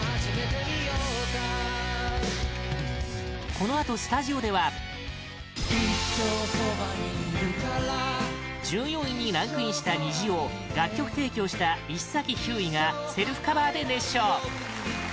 このあと、スタジオでは１４位にランクインした「虹」を楽曲提供した石崎ひゅーいがセルフカバーで熱唱